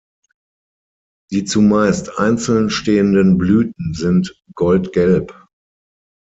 Die zumeist einzeln stehenden Blüten sind goldgelb.